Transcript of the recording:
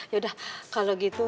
yaudah kalau gitu